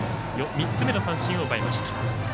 ３つ目の三振を奪いました。